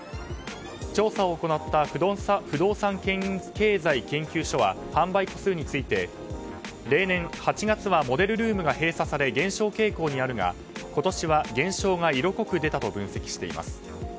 調査を行った不動産経済研究所は販売戸数について例年８月はモデルルームが閉鎖され、減少傾向にあるが今年は減少が色濃く出たと分析しています。